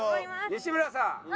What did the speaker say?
西村さん。